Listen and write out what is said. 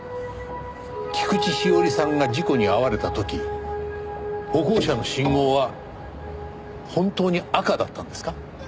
菊地詩織さんが事故に遭われた時歩行者の信号は本当に赤だったんですか？